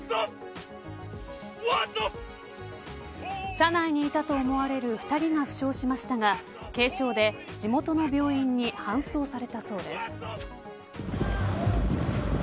車内にいたと思われる２人が負傷しましたが軽傷で、地元の病院に搬送されたそうです。